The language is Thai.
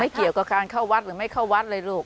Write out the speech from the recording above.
เกี่ยวกับการเข้าวัดหรือไม่เข้าวัดเลยลูก